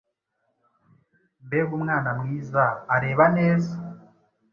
Mbega umwana mwiza! Areba neza.